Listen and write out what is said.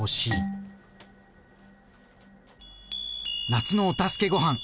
「夏のお助けごはん」